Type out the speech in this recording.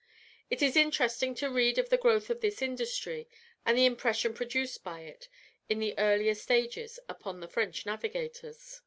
It is interesting to read of the growth of this industry, and the impression produced by it, in its earlier stages, upon the French navigators.